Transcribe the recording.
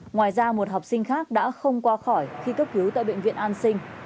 ngoài ra một học sinh khác đã không qua khỏi khi cấp cứu tại bệnh viện an sinh